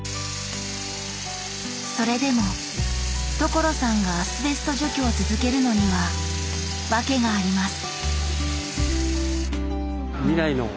それでも所さんがアスベスト除去を続けるのには訳があります